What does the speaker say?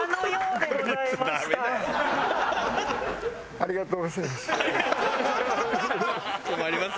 「ありがとうございます」